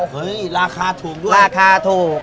เฮ้ยราคาถูกด้วยราคาถูก